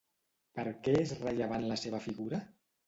Per què és rellevant la seva figura?